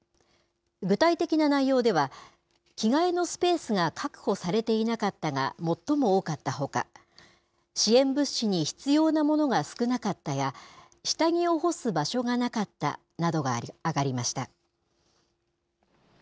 具体的な内容では、着替えのスペースが確保されていなかったが最も多かったほか、支援物資に必要なものが少なかったや、下着を干す場所がなかったなどがあがりました。